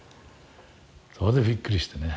そこでびっくりしてね。